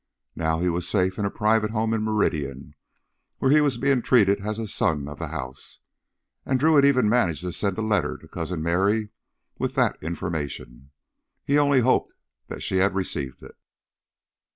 Now he was safe in a private home in Meridian, where he was being treated as a son of the house, and Drew had even managed to send a letter to Cousin Merry with that information. He only hoped that she had received it.